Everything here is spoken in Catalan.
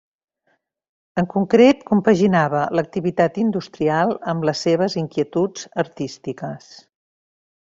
En concret, compaginava l'activitat industrial amb les seves inquietuds artístiques.